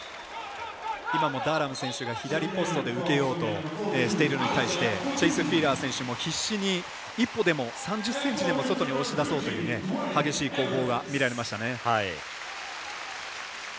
今もダーラム選手が左ポストで受けようとしているのに対してチェイス・フィーラー選手も必死に一歩でも３０ｃｍでも外に押し出そうという激しい攻防が見られましたね。